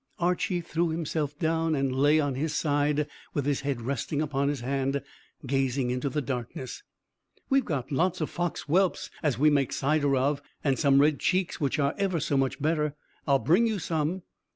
Archy threw himself down, and lay on his side, with his head resting upon his hand, gazing into the darkness. "We've got lots o' fox whelps as we make cider of, and some red cheeks which are ever so much better. I'll bring you some."